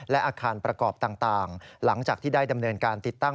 และอาคารประกอบต่างหลังจากที่ได้ดำเนินการติดตั้ง